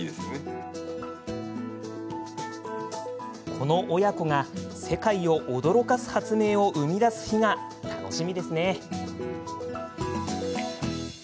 この親子が世界を驚かす発明を生み出す日が楽しみですね。